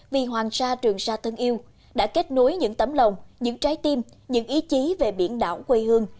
vì hoàng sa trường sa thân yêu đã kết nối những tấm lòng những trái tim những ý chí về biển đảo quê hương